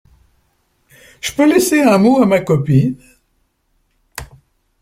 Je peux laisser un mot à ma copine?